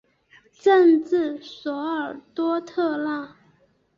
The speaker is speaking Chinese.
镇治索尔多特纳。